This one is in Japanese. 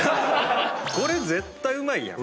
これ絶対うまいやん。